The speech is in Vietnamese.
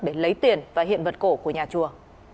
để lấy tiền và hiện vật cổ của nhà chùa